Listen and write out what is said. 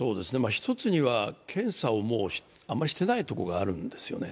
１つには、検査をあまりしてないところがあるんですよね。